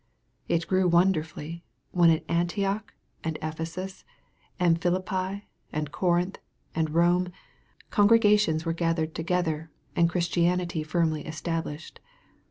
It grew wonderfully, when at Antioch, and Ephesus, and Philippi, and Corinth, and Kome, congregations were gathered together, and Christianity firmly established.